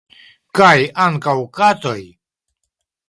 Kaj ankaŭ katoj?